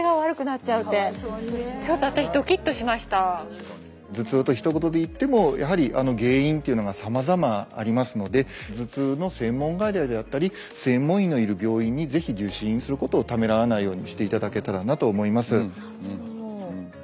それにしても頭痛とひと言で言ってもやはり原因というのがさまざまありますので頭痛の専門外来であったり専門医のいる病院に是非受診することをためらわないようにしていただけたらなと思います。